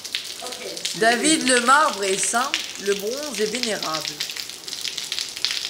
David, le marbre est saint, le bronze est vénérable.